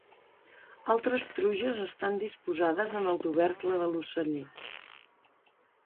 Altres truges estan disposades en el tubercle de l'oceller.